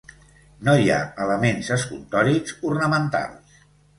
No hi ha elements escultòrics ornamentals.